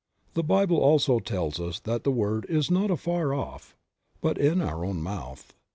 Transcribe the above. The Bible also tells us that the word is not afar off but in our own mouth.